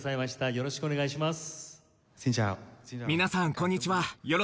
よろしくお願いします。